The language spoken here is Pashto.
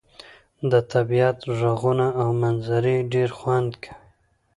د طبيعت ږغونه او منظرې ډير خوند کوي.